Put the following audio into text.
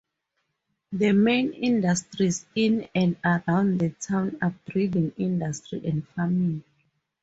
The main industries in and around the town are breading industry and farming.